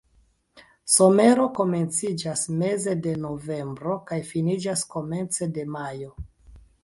Somero komenciĝas meze de novembro kaj finiĝas komence de majo.